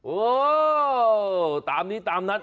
โอ้ตามนี้ตามนั้น